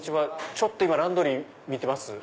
ちょっとランドリー見てます。